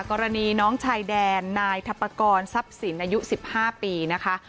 กรณีน้องชายแดนนายทัพปกรณ์ทรัพย์สินอายุ๑๕ปีนะคะ